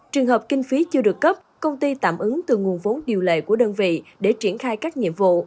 trường hợp kinh phí chưa được cấp công ty tạm ứng từ nguồn vốn điều lệ của đơn vị để triển khai các nhiệm vụ